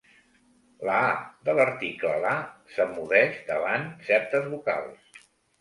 La "a" de l'article "la" s'emmudeix davant certes vocals.